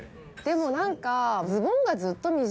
でも何か。